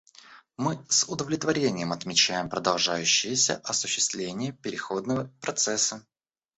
Мы с удовлетворением отмечаем продолжающееся осуществление переходного процесса.